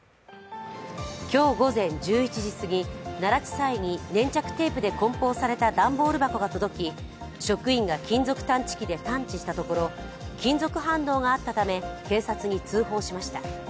今日午前１１時過ぎ、奈良地裁に粘着テープでこん包された段ボール箱が届き職員が金属探知機で探知したところ金属反応があったため、警察に通報しました。